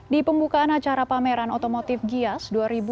di pembukaan acara pameran otomotif gias dua ribu dua puluh